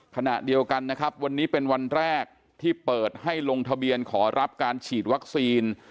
ขณะเดียวกันนะครับวันนี้เป็นวันแรกที่เปิดให้ลงทะเบียนขอรับการฉีดวัคซีน